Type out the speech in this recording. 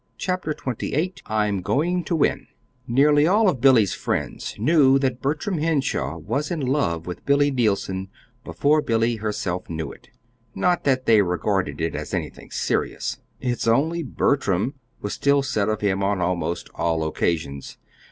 CHAPTER XXVIII "I'M GOING TO WIN" Nearly all of Billy's friends knew that Bertram Henshaw was in love with Billy Neilson before Billy herself knew it. Not that they regarded it as anything serious "it's only Bertram" was still said of him on almost all occasions.